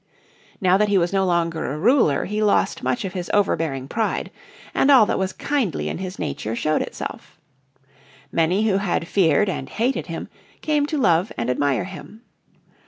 Now that he was no longer a ruler he lost much of his overbearing pride, and all that was kindly in his nature showed itself. Many who had feared and hated him came to love and admire him.